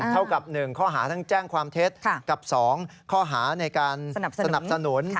เท่ากับ๑ข้อหาทั้งแจ้งความเท็จกับ๒ข้อหาในการสนับสนุน